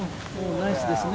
ナイスですね。